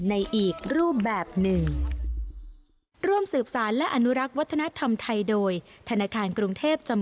ในอีกรูปแบบหนึ่ง